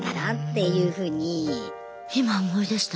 今思い出した。